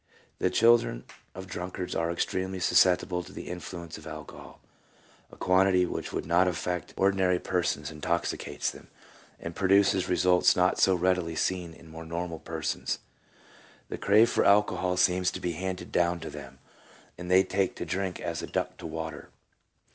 The children of drunkards are extremely susceptible to the influence of alcohol ; a quantity which would not affect ordinary persons intoxicates them, and produces results not so readily seen in more normal persons. The crave for alcohol seems to be handed down to them, and they take to drink as a duck to water."